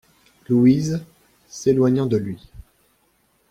LOUISE, s'éloignant de lui.